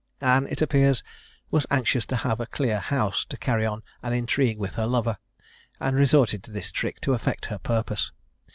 Anne, it appears, was anxious to have a clear house, to carry on an intrigue with her lover, and resorted to this trick to effect her purpose.